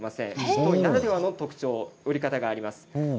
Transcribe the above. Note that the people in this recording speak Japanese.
七島藺ならではの特徴、織り方があります。